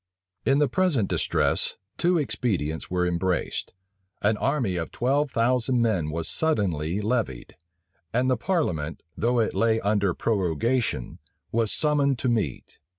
In the present distress, two expedients were embraced: an army of twelve thousand men was suddenly levied; and the parliament, though it lay under prorogation, was summoned to meet.